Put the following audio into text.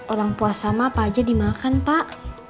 orang puas sama apa aja dimakan pak